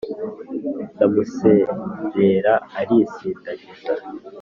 ndamuserera arisindagiza